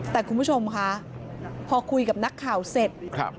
แต่คุณผู้ชมค่ะพอคุยกับนักข่าวเสร็จครับ